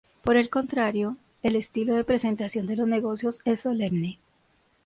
Por el contrario, el estilo de presentación de los negocios es solemne.